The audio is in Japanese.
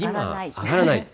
上がらない。